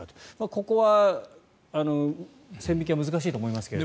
ここは線引きは難しいと思いますけど。